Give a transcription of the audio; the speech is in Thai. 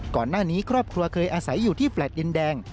ก่อนหน้านี้ครอบครัวเคยอาศัยอยู่ที่แฟลต์ดินแดง